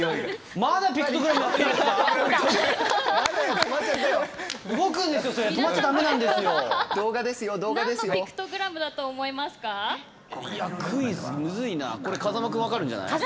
まだ、ピクトグラムやってるんですか。